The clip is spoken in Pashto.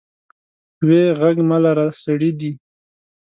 وې غږ مه لره سړي دي.